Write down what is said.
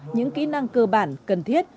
những kỹ năng cơ bản cần thiết